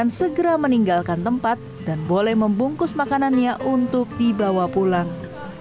akan segera meninggalkan tempat dan boleh membungkus makanannya untuk dibawa pulang